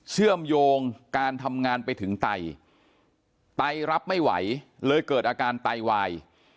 เชื่อมโยงการทำงานไปถึงไตรับไม่ไหวเลยเกิดอาการไตวาย